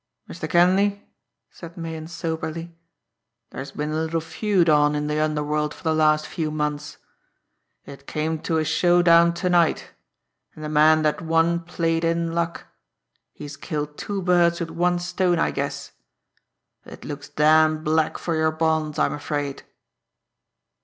"Mr. Kenleigh," said Meighan soberly, "there's been a little feud on in the underworld for the last few months. It came to a showdown to night, and the man that won played in luck he's killed two birds with one stone, I guess. It looks damned black for your bonds, I'm afraid."